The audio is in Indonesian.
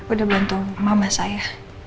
udah bantu mama saya